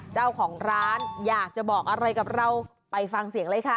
เจ้าของร้านอยากจะบอกอะไรกับเราไปฟังเสียงเลยค่ะ